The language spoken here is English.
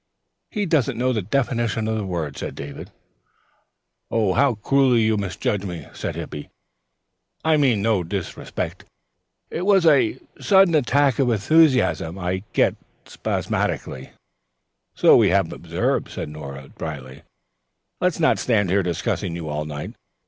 "He doesn't know the definition of the word," said David. "How cruelly you misjudge me," said Hippy. "I meant no disrespect. It was a sudden attack of enthusiasm. I get them spasmodically." "So we have observed," said Nora dryly. "Let's not stand here discussing you all night.